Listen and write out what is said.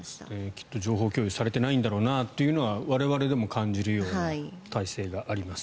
きっと情報共有がされてないんだろうなというのは我々でも感じるような体制があります。